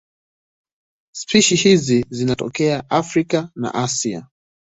Spishi hizi zinatokea Afrika na Asia.